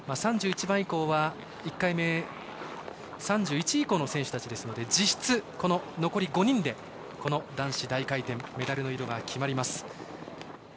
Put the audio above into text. ３１番以降は、１回目３１位以降の選手たちですので実質残り５人で、男子大回転メダルの色が決まります。